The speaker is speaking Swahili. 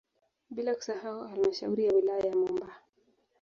Bila kusahau halmashauri ya wilaya ya Momba